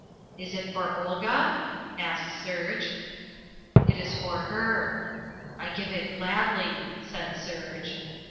"Is it for Olga?" asked Serge. "It is for her." "I give it gladly," said Serge.